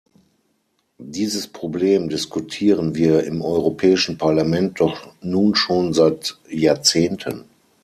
Dieses Problem diskutieren wir im Europäischen Parlament doch nun schon seit Jahrzehnten.